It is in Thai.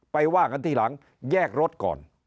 ว่ากันทีหลังแยกรถก่อน